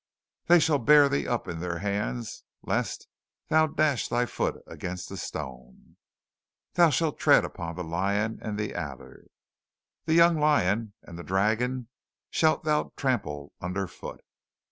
"They shall bear thee up in their hands, lest thou dash thy foot against a stone. "Thou shalt tread upon the lion and the adder, the young lion and the dragon shalt thou trample under foot.